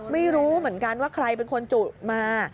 ไม่รู้เหมือนกันว่าใครเป็นคนจุมา